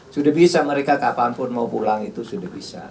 sudah bisa mereka kapanpun mau pulang itu sudah bisa